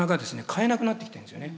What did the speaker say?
買えなくなってきてるんですよね。